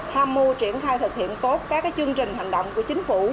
hamu triển khai thực hiện tốt các chương trình hành động của chính phủ